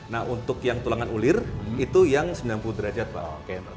nah untuk yang tulangan ulir itu yang sembilan puluh derajat pak